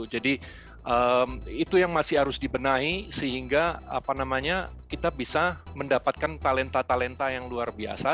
jadi itu yang masih harus dibenahi sehingga kita bisa mendapatkan talenta talenta yang luar biasa